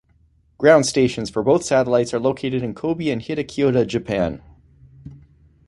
Ground stations for both satellites are located in Kobe and Hitachiota, Japan.